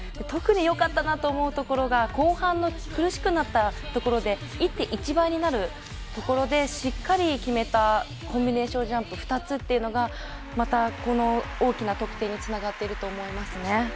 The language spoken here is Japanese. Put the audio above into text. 特によかったなと思うところが後半の苦しくなったところで、１．１倍になるところでしっかり決めたコンビネーションジャンプ２つというのがまた大きな得点につながっていると思いますね。